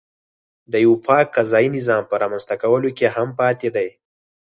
د یوه پاک قضایي نظام په رامنځته کولو کې هم پاتې دی.